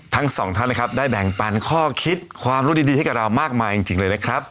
ทั้งสองท่านนะครับได้แบ่งปันข้อคิดความรู้ดีให้กับเรามากมายจริงเลยนะครับ